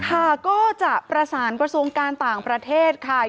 ค่ะก็จะประสานกระทรวงการต่างประเทศค่ะ